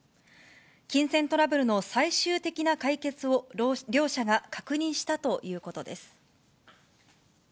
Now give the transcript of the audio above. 金銭トラブルの最終的な解決を両者が確認したということです。